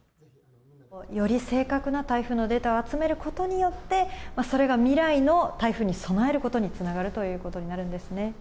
より正確な台風のデータを集めることによって、それが未来の台風に備えることにつながるということになるんですね。